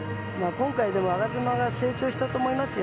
今回、我妻が成長したと思いますよ。